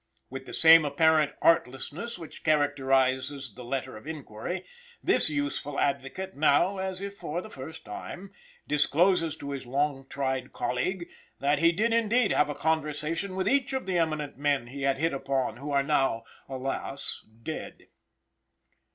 With the same apparent artlessness which characterizes the letter of inquiry, this useful advocate now, as if for the first time, discloses to his long tried colleague, that he did indeed have a conversation with each of the eminent men he had hit upon, who are now, alas! dead.